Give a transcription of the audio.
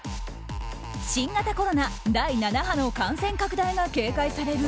新型コロナ第７波の感染拡大が警戒される